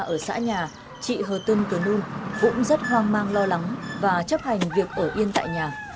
ở xã nhà chị hờ tân tờ nung cũng rất hoang mang lo lắng và chấp hành việc ở yên tại nhà